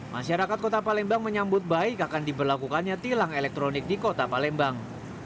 masyarakat kota palembang menyambut baik akan diberlakukannya tilang elektronik di kota palembang